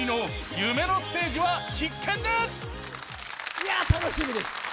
いや、楽しみです。